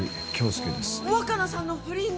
若菜さんの不倫の！